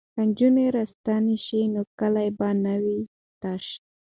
که نجونې راستنې شي نو کلی به نه وي تش.